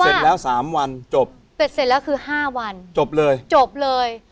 เสร็จแล้วสามวันจบเสร็จแล้วคือห้าวันจบเลยจบเลย